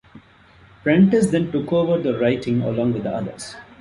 Prentice then took over the writing along with others.